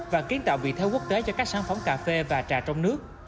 và kiến tạo vị thế quốc tế cho các sản phẩm cà phê và trà trong nước